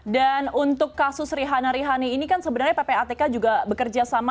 dan untuk kasus rihana rihani ini kan sebenarnya ppatk juga bekerjasama